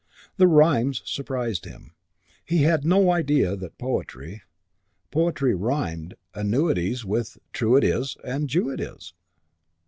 The rhymes surprised him. He had no idea that poetry poetry rhymed "annuities" with "true it is" and "Jew it is."